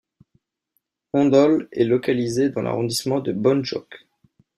Hondol est localisé dans l'arrondissement de Bondjock.